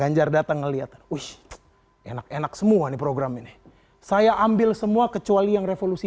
ganjar datang ngeliat ush enak enak semua nih program ini saya ambil semua kecuali yang revolusi